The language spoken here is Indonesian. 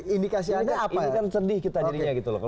ini kan sedih kita jadinya gitu loh